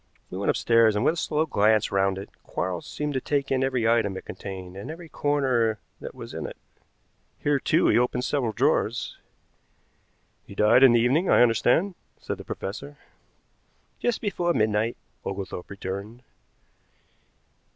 We went upstairs, and with a slow glance round it, Quarles seemed to take in every item it contained and every corner that was in it. Here, too, he opened several drawers. "He died in the evening, I understand," said the professor. "Just before midnight," Oglethorpe returned.